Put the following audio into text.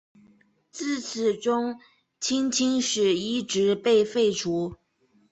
自此中圻钦使一职被废除。